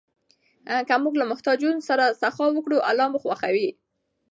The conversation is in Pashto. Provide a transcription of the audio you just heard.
که موږ له محتاجو سره سخا وکړو، الله مو خوښوي.